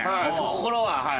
心ははい。